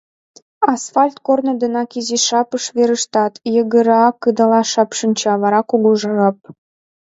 Асфальт корно денак Изи Шапыш верештат, йыгыреак Кыдалаш Шап шинча, вара — Кугу Шап.